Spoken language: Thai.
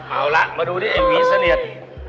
เอาละมาดูที่ไอ้หวีเสนียด